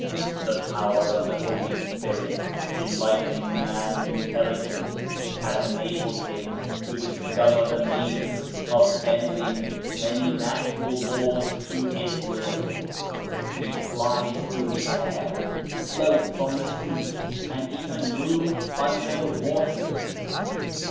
The Power of the Holy Spirit, enlightening man's intelligence, has enabled him to discover means of bend ing many natural laws to his will. He flies through the air, floats on the sea, and even moves under the waters.